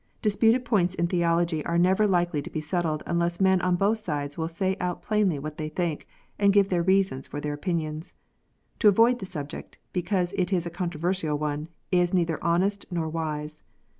Disputed points in theology are never likely to be settled unless men on both sides will say out plainly what they think, and give their reasons for their opinions. To avoid the subject, because it is a controversial one, is neither honest nor wise.